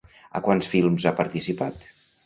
A quants films ha participat?